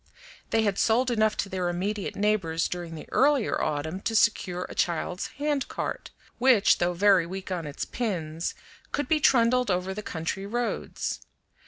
They had sold enough to their immediate neighbors during the earlier autumn to secure a child's handcart, which, though very weak on its pins, could be trundled over the country roads.